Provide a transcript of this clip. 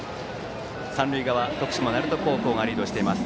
三塁側、徳島・鳴門高校がリードしています。